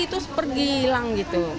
itu pergi hilang gitu